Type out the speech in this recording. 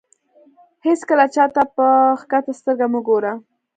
هېڅکله چاته په کښته سترګه مه ګوره.